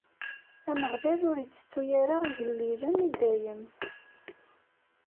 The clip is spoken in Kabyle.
Ameɣlal ur ittettu ara igellilen i dayem.